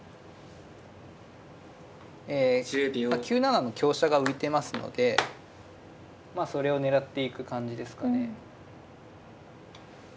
え９七の香車が浮いてますのでそれを狙っていく感じですかね。